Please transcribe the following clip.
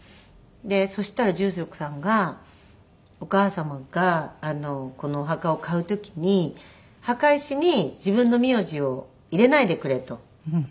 でそしたら住職さんが「お母様がこのお墓を買う時に墓石に自分の名字を入れないでくれ」と。